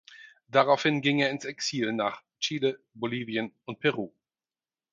Daraufhin ging er ins Exil nach Chile, Bolivien und Peru.